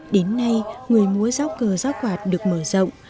đến nay người múa giáo cờ giáo quạt là một trong những bài róng